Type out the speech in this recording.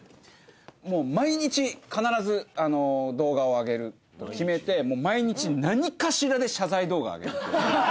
もう毎日必ず動画を上げると決めて毎日何かしらで謝罪動画上げる。